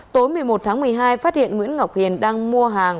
tối một mươi một tháng một mươi hai phát hiện nguyễn ngọc hiền đang mua hàng